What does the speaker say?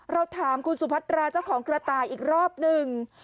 เราถามคุณสุพัตราเจ้าของกระต่ายอีกรอบหนึ่ง